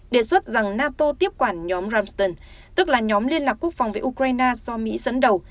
đề xuất rằng nato tiếp quản nhóm ramston tức là nhóm liên lạc quốc phòng với ukraine do mỹ dẫn đầu